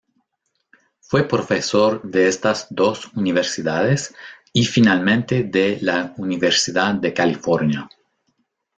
Fue profesor de estas dos universidades y finalmente de la Universidad de California.